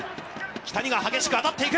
木谷が激しく当たっていく。